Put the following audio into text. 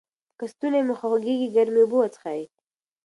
که ستونی مو خوږیږي ګرمې اوبه وڅښئ.